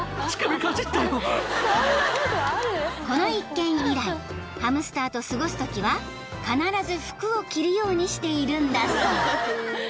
［この一件以来ハムスターと過ごすときは必ず服を着るようにしているんだそう］